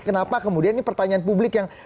kenapa kemudian ini pertanyaan publik yang